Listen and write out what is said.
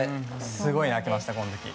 すごい泣きましたこの時。